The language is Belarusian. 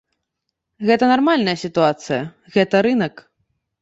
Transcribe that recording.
Гэта нармальная сітуацыя, гэта рынак.